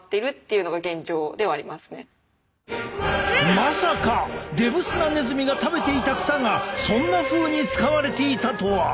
まさかデブスナネズミが食べていた草がそんなふうに使われていたとは。